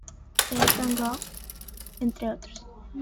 E. van Vogt, entre otros.